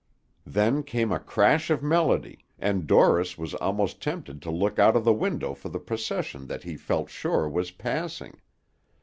Then came a crash of melody, and Dorris was almost tempted to look out of the window for the procession that he felt sure was passing.